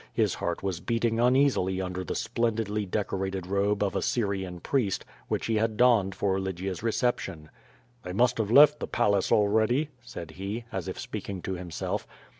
His heart was beating uneasily under the splendidly decorated robe of a Syrian priest which he had donned for Lygia's reception. "They must have left the palace already," said he, as if speaking to himself.